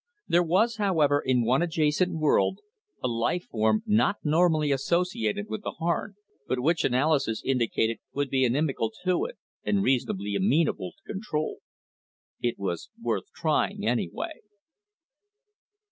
_ _There was, however, in one adjacent world, a life form not normally associated with the Harn; but which analysis indicated would be inimical to it, and reasonably amenable to control._ _It was worth trying, anyway.